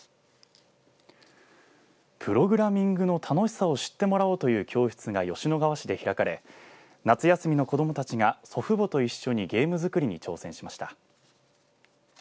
プログラミングの楽しさを知ってもらおうという教室が吉野川市で開かれ夏休みの子どもたちが祖父母と一緒にゲーム作りに挑戦しました。